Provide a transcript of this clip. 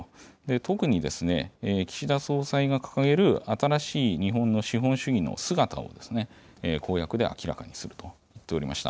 特にですね、岸田総裁が掲げる新しい日本の資本主義の姿をですね公約で明らかにすると言っておりました。